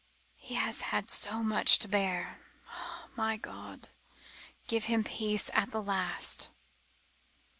"He has had so much to bear. Ah! my God! give him peace at the last!"